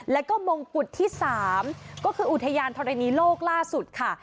แล้วก็มงกุฎที่๓ก็คืออุทยานธรณีโลกล่าสุดค่ะ